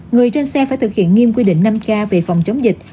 người trên xe phải thực hiện nghiêm quy định năm k về phòng chống dịch